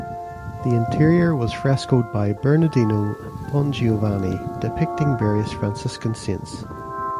The interior was frescoed by Bernardino Bongiovanni depicting various Franciscan saints.